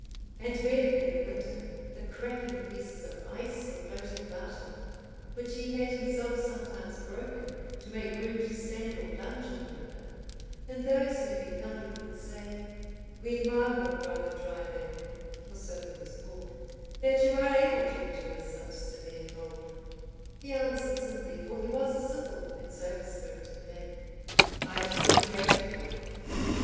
And when in the winter the cracking pieces of ice were floating about him, which he had himself sometimes broken, to make room to stand or plunge in the river, and those who beheld it would say, "We marvel, brother Drythelm (for so he was called), that you are able to endure such severe cold;" he answered simply, for he was a simple and sober spirited man, "I have seen greater cold."